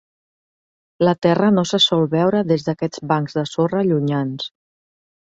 La terra no se sol veure des d'aquests bancs de sorra llunyans.